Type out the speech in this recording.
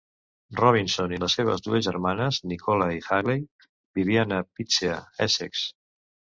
Robinson i les seves dues germanes, Nicola i Hayley, vivien a Pitsea, Essex.